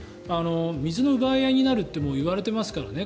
水の奪い合いになるといわれていますからね。